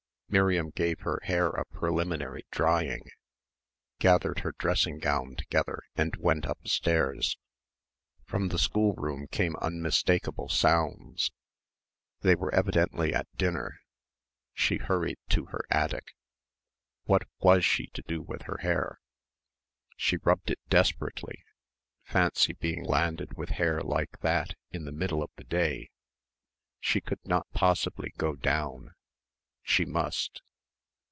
Miriam gave her hair a preliminary drying, gathered her dressing gown together and went upstairs. From the schoolroom came unmistakable sounds. They were evidently at dinner. She hurried to her attic. What was she to do with her hair? She rubbed it desperately fancy being landed with hair like that, in the middle of the day! She could not possibly go down.... She must.